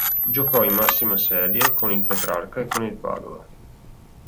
Giocò in massima serie con il Petrarca e con il Padova.